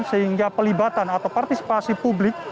sehingga pelibatan atau partisipasi publik